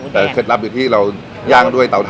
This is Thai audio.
แต่เคล็ดลับอยู่ที่เราย่างด้วยเตาถ่า